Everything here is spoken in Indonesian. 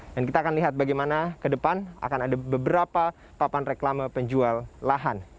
dan kita akan lihat bagaimana ke depan akan ada beberapa papan reklame penjual lahan